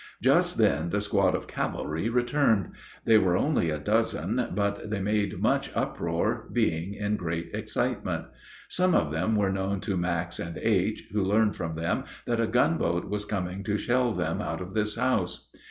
Just then the squad of cavalry returned; they were only a dozen, but they made much uproar, being in great excitement. Some of them were known to Max and H., who learned from them that a gunboat was coming to shell them out of this house.